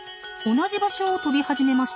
同じ場所を飛び始めました。